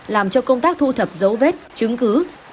làm cho công tác thu thập dấu vết chứng cứ